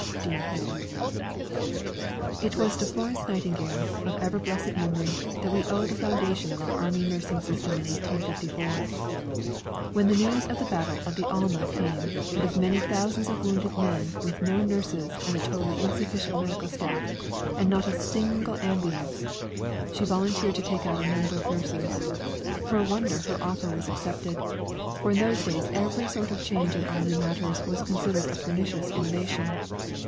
(Dean Hole.) It was to Florence Nightingale, of ever blessed memory, that we owe the foundation of our Army nursing system in 1854. When the news of the battle of the Alma came, and of many thousands of wounded men with no nurses and a totally insufficient medical staff, and not a single ambulance, she volunteered to take out a number of nurses. For a wonder her offer was accepted, for in those days every sort of change in Army matters was considered a pernicious innovation.